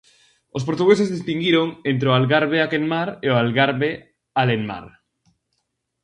Os portugueses distinguiron entre o Algarve aquenmar e o Algarve alenmar.